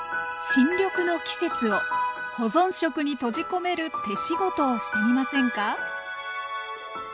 新緑の季節を保存食に閉じ込める手仕事をしてみませんか？